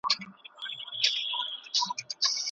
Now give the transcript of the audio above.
څېړنه باید له هر ډول بهرني فشار څخه خپلواکه وي.